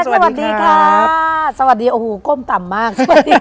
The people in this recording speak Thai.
สวัสดีครับสวัสดีครับสวัสดีโอ้โหก้มต่ำมาก